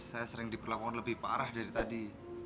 saya sering diperlakukan lebih parah dari tadi